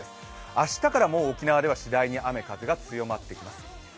明日からもう沖縄ではしだいに雨風が強まってきます。